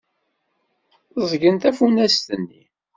Ẓẓgen tafunast-nni.